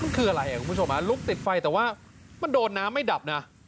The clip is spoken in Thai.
มันคืออะไรคุณผู้ชมลุกติดไฟแต่ว่ามันโดนน้ำไม่ดับนะ